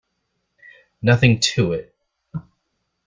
Nothing to it.